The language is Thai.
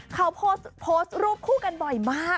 เขาโพสต์รูปคู่กันบ่อยมาก